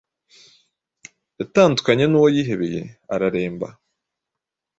yatandukanye n’uwo yihebeye araremba